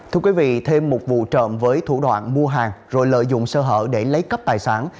thưa quý vị thêm một vụ trộm với thủ đoạn mua hàng rồi lợi dụng sơ hở để lấy cắp tài sản